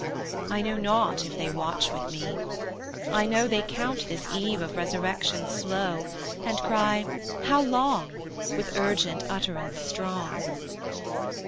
I know not if they watch with me: I know They count this eve of resurrection slow, And cry, "How long?" with urgent utterance strong.